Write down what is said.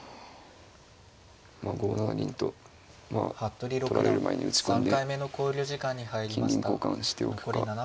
まあ５七銀と取られる前に打ち込んで金銀交換しておくか。